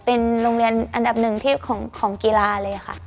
เป็นโรงเรียนอันดับหนึ่งของกีฬาเลยค่ะ